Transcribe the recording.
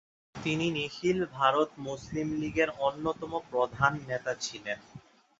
তিনি নিখিল ভারত মুসলিম লীগের অন্যতম প্রধান নেতা ছিলেন।